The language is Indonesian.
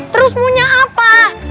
terus maunya apa